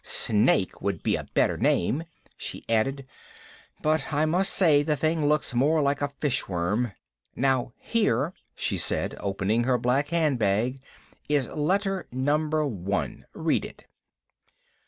Snake would be a better name," she added, "but I must say the thing looks more like a fish worm. Now, here," she said, opening her black hand bag, "is letter Number One. Read it."